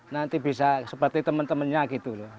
nanti bisa seperti teman temannya gitu loh